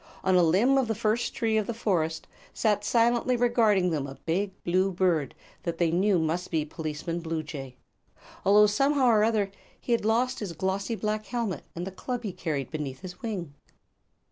On a limb of the first tree of the forest sat silently regarding them a big blue bird that they knew must be Policeman Bluejay, although somehow or other he had lost his glossy black helmet and the club he had carried underneath his wing.